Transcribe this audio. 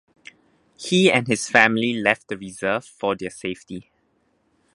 He and his family left the reserve for their safety.